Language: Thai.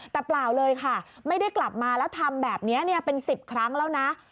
แต่เปล่าเลยค่ะไม่ได้กลับมาแล้วทำแบบนี้เป็น๑๐ครั้งแล้วนะ